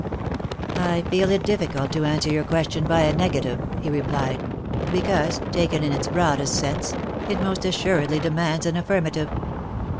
" I feel it difficult to answer your question by a negative," he re plied, " because, taken in its broadest sense, it most assuredly demands an affirmative.